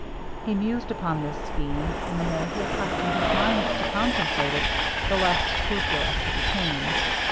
He mused upon this scheme, and the more he accustomed his mind to contemplate it, the less scrupulous he became.